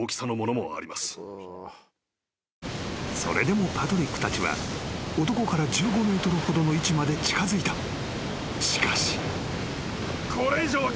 ［それでもパトリックたちは男から１５ｍほどの位置まで近づいた］